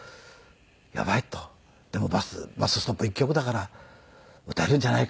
『バス・ストップ』１曲だから歌えるんじゃないか。